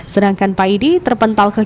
sedangkan paidi terpental kekitab